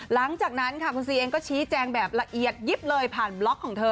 หลังจากนั้นค่ะคุณซีเองก็ชี้แจงแบบละเอียดยิบเลยผ่านบล็อกของเธอ